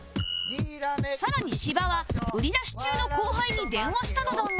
更に芝は売り出し中の後輩に電話したのだが